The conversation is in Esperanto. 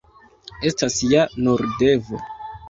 Estas ja nur devo.